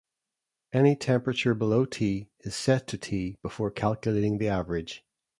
Any temperature below "T" is set to "T" before calculating the average.